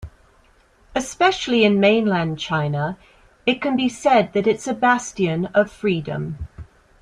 Especially in mainland China, it can be said that it's a bastion of freedom.